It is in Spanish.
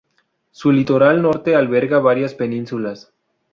Su litoral norte alberga varias penínsulas.